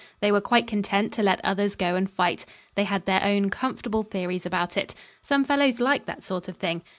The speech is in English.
They were quite content to let others go and fight. They had their own comfortable theories about it. Some fellows liked that sort of thing.